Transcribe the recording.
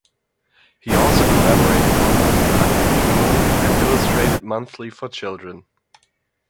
He also collaborated on "Aghbyur", an illustrated monthly for children.